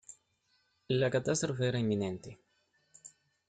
La catástrofe era inminente.